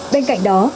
bên cạnh đó